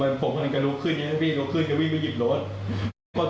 มันพบกันกระดูกขึ้นนี่นะพี่ขึ้นก็วิ่งมาหยิบรถ